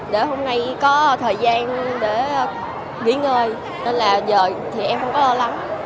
để hôm nay có thời gian để nghỉ ngơi nên là giờ thì em không có lo lắng